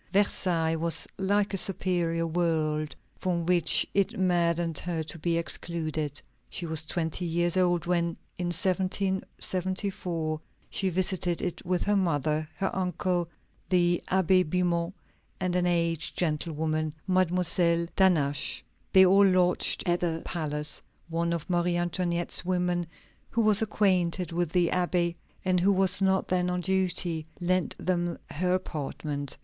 Versailles was like a superior world from which it maddened her to be excluded. She was twenty years old when, in 1774, she visited it with her mother, her uncle, the Abbé Bimont, and an aged gentlewoman, Mademoiselle d'Hannaches. They all lodged at the palace. One of Marie Antoinette's women, who was acquainted with the Abbé, and who was not then on duty, lent them her apartment.